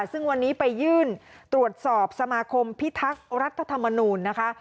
ซึ่งวันนี้ไปยื่นตรวจสอบสมาคมพิทักษ์รัฐธรรมนูลนะคะ